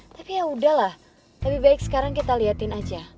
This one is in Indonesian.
tapi ya udahlah lebih baik sekarang kita liatin aja